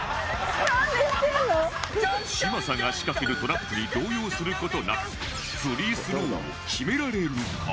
嶋佐が仕掛けるトラップに動揺する事なくフリースローを決められるか？